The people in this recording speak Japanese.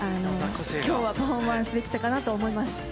きょうはパフォーマンスできたかなと思います。